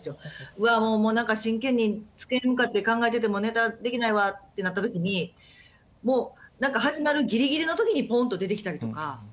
うわもう何か真剣につけるんかって考えててもネタできないわってなった時にもう何か始まるギリギリの時にポンと出てきたりとか。